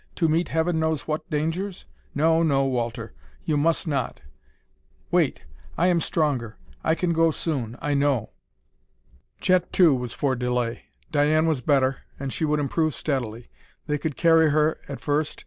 "To meet heaven knows what dangers? No, no, Walter; you must not! Wait; I am stronger; I can go soon, I know." Chet, too, was for delay Diane was better, and she would improve steadily. They could carry her, at first.